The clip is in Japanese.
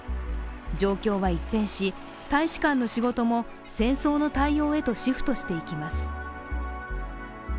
状況は一変し、大使館の仕事も戦争の対応へとシフトしていきます。